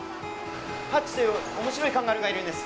ハッチという面白いカンガルーがいるんです。